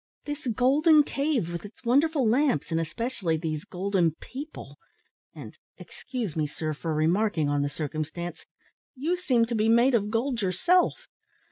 "This golden cave, with its wonderful lamps, and especially these golden people; and excuse me, sir, for remarking on the circumstance you seem to be made of gold yourself.